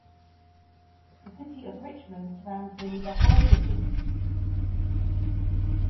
The city of Richmond surrounds nearly the whole city.